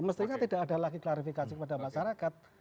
mestinya tidak ada lagi klarifikasi kepada masyarakat